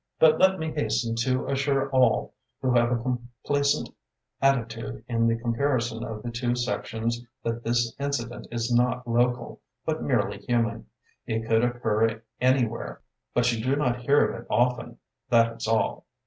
But let me hasten to assure all who have a complacent atti tude in the comparison of the two sec tions that this incident is not local, but merely human; it could occur any where, but you do not hear of it often, that is all.